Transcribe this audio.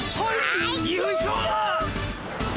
よいしょ！